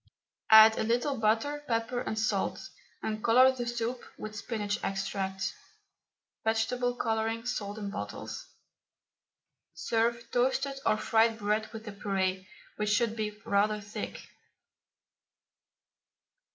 Add a little butter, pepper and salt, and colour the soup with spinach extract (vegetable colouring, sold in bottles). Serve toasted or fried bread with the puree, which should be rather thick.